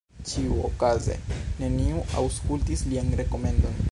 Ĉiuokaze neniu aŭskultis lian rekomendon.